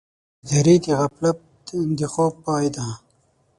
بیداري د غفلت د خوب پای ده.